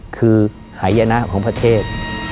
คือหายนะของประเทศ